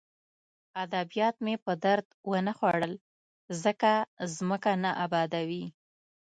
ادبیات مې په درد ونه خوړل ځکه ځمکه نه ابادوي